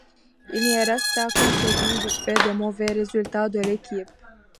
Il n'y resta qu'une saison du fait des mauvais résultats de l'équipe.